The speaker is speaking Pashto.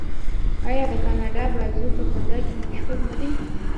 آیا د کاناډا بازو په فضا کې مشهور نه دی؟